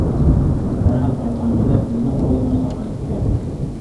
دەرھال ئارقاڭغا يېنىپ، بىزنىڭ قوينىمىزغا قايتىپ كەل.